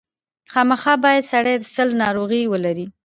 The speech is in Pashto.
خامخا باید سړی د سِل ناروغي ولري.